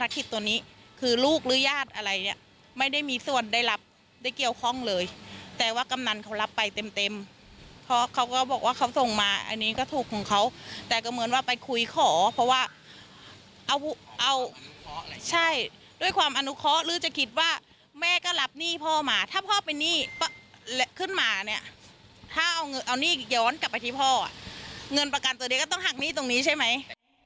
ต้องเอาหนี้เกี่ยวร้อนกลับไปที่พ่อเงินประกันตัวเดียวก็ต้องหักหนี้ตรงนี้ใช่ไหม